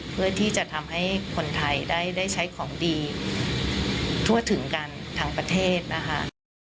เพื่อที่จะทำให้คนไทยได้ใช้ของดีทั่วถึงกันทั้งประเทศนะคะ